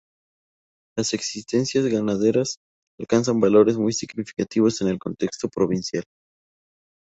Las existencias ganaderas alcanzan valores muy significativos en el contexto provincial.